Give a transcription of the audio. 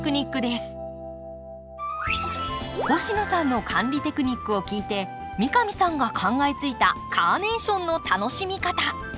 星野さんの管理テクニックを聞いて三上さんが考えついたカーネーションの楽しみ方。